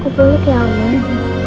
kalian juga kita yang